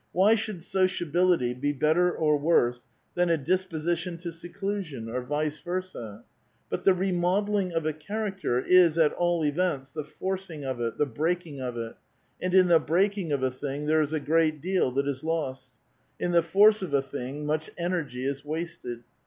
Why should sociability l>e better or worse than a disposition to seclusion, or vice versa f But the remodelling of a charactu is, at all events, the forcing of it, the breaking of it ; and in the breaking of a thing there is a great deal that is lost ; in the forcing of a thing much energy is wasted.